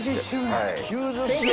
９０周年。